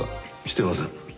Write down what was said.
してません。